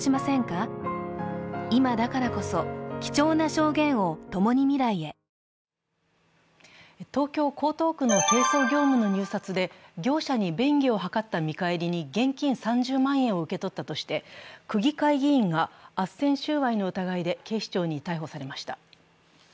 ３試合ぶりにスタメン出場のパイレーツ・筒香嘉智も東京・江東区の清掃業務の入札で業者に便宜を図った見返りに現金３０万円を受け取ったとして、区議会議員があっせん収賄の疑いで警視庁に逮捕されました。